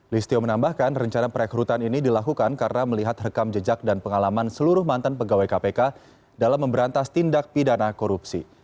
listio menambahkan rencana perekrutan ini dilakukan karena melihat rekam jejak dan pengalaman seluruh mantan pegawai kpk dalam memberantas tindak pidana korupsi